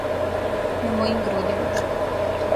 На мојим грудима.